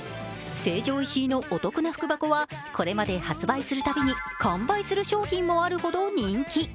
成城石井のお得な福箱はこれまで発売するたびに完売する商品もあるほど人気。